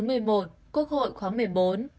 quốc hội khóa một mươi bốn